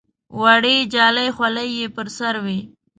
وړې جالۍ خولۍ یې پر سر وې.